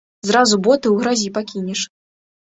Зразу боты ў гразі пакінеш.